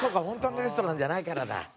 本当のレストランじゃないからだ。